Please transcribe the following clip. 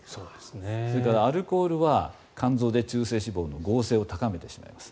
それから、アルコールは肝臓で中性脂肪の合成を高めてしまいます。